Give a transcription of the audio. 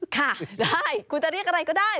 ค่ะได้คุณจะเรียกอะไรก็ได้